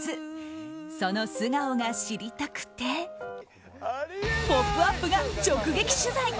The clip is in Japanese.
その素顔が知りたくて「ポップＵＰ！」が直撃取材。